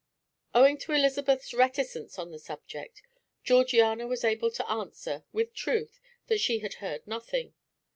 Owing to Elizabeth's reticence on the subject, Georgiana was able to answer, with truth, that she had heard nothing.